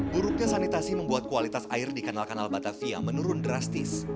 buruknya sanitasi membuat kualitas air di kanal kanal batavia menurun drastis